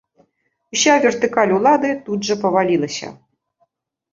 Уся вертыкаль улады тут жа павалілася.